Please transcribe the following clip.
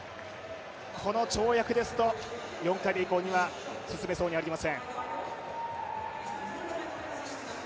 この跳躍ですと、４回目以降には進めそうにありません。